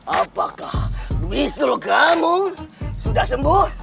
apakah besok kamu sudah sembuh